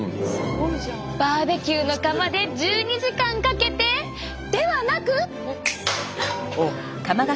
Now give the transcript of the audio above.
バーベキューの窯で１２時間かけてではなく！